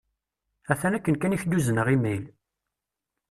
Atan akken kan i k-d-uzneɣ imayl.